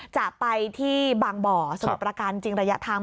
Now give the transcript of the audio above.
จะไปที่บางบ่อสมบัติประกันจริงระยะธรรม